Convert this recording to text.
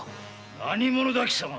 何者だ貴様は？